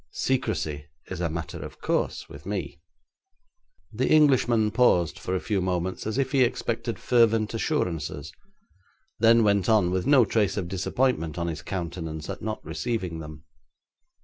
Secrecy is a matter of course with me. The Englishman paused for a few moments as if he expected fervent assurances; then went on with no trace of disappointment on his countenance at not receiving them.